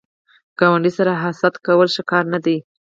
ګاونډي سره حسد کول ښه کار نه دی